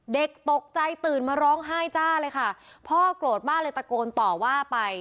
เด็กตกใจตื่นมาร้องไห้จ้าเลยค่ะพ่อโกรธมากเลยตะโกนต่อว่าไป